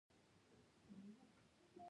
خطرناکو پیښو وېره یې پیدا کوله.